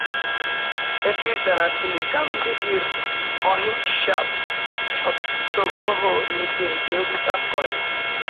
এটির দ্বারা তিনি গান্ধীজির অহিংসা সত্যাগ্রহ নীতির বিরোধিতা করেন।